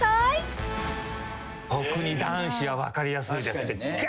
特に男子は分かりやすい。